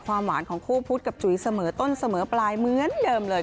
ความหวานของคู่พุทธกับจุ๋ยเสมอต้นเสมอปลายเหมือนเดิมเลย